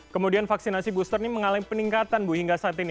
kemudian vaksinasi booster ini mengalami peningkatan bu hingga saat ini